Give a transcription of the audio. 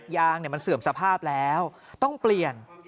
ยางมันเสื่อมสภาพแล้วต้องเปลี่ยน